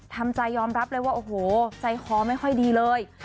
ทำใจยอมรับเลยว่าโอ้โหใจคอไม่ค่อยดีเลย